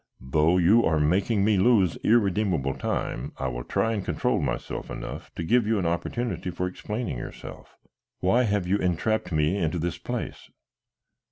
Though you are making me lose irredeemable time, I will try and control myself enough to give you an opportunity for explaining yourself. Why have you entrapped me into this place?"